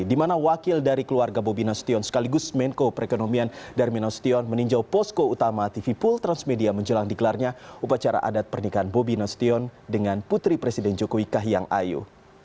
dimana wakil dari keluarga bobi nostion sekaligus main co perekonomian darmin nostion meninjau posko utama tvpool transmedia menjelang dikelarnya upacara adat pernikahan bobi nostion dengan putri presiden jokowi kayang ayu